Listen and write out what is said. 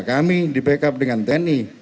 kami di backup dengan tni